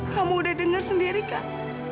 kamu udah dengar sendiri kak